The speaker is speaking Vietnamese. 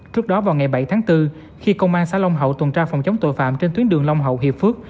trước đó vào ngày bảy tháng bốn khi công an xã long hậu tuần tra phòng chống tội phạm trên tuyến đường long hậu hiệp phước